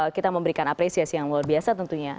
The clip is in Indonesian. kita memberikan apresiasi yang luar biasa tentunya